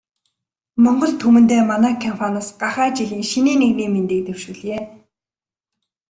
Монгол түмэндээ манай компаниас гахай жилийн шинийн нэгний мэндийг дэвшүүлье.